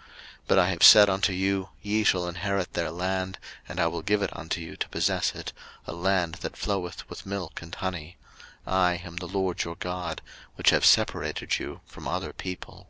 03:020:024 But I have said unto you, Ye shall inherit their land, and I will give it unto you to possess it, a land that floweth with milk and honey: I am the LORD your God, which have separated you from other people.